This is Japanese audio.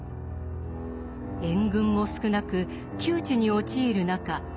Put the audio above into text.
援軍も少なく窮地に陥る中